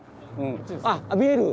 あ見える！